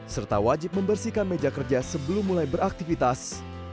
serta wajib membersihkan meja kerja sebelum mulai beraktivitas